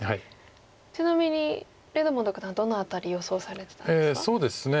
ちなみにレドモンド九段はどの辺り予想されてたんですか？